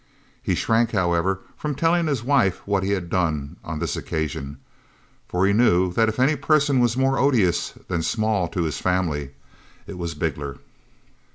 He shrank, however, from telling his wife what he had done on this occasion, for he knew that if any person was more odious than Small to his family it was Bigler.